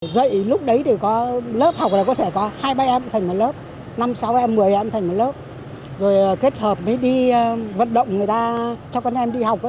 dạy lúc đấy thì có lớp học là có thể có hai ba em thành một lớp năm sáu em một mươi em thành một lớp rồi kết hợp mới đi vận động người ta cho con em đi học